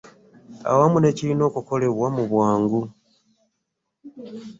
Awamu n'ekirina okukolebwa mu bwangu